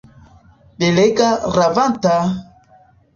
Belega, ravanta!